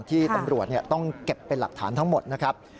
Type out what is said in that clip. ที่ตำรวจต้องเก็บเป็นหลักฐานทั้งหมดนะครับ